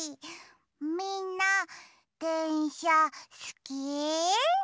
みんなでんしゃすき？